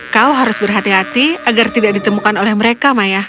kau harus berhati hati agar tidak ditemukan oleh mereka maya